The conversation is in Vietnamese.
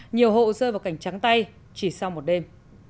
nhiều hộ rơi vào cảnh trắng tay chỉ sau một đêm